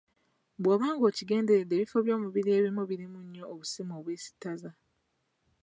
Bw’oba nga okigenderedde ebifo by'omubiri ebimu birimu nnyo obusimu obwesittaza.